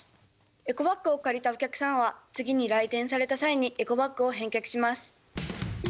エコバッグを借りたお客さんは次に来店された際にエコバッグを返却します。